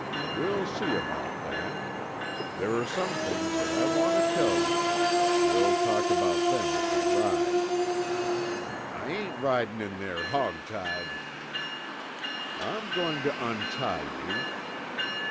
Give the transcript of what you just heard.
"We'll see about that. There are some things that I want to tell you. We'll talk about them as we ride." "I ain't ridin' in there hog tied." "I'm going to untie you."